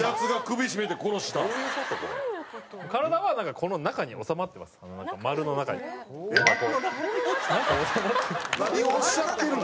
丸の中に収まって。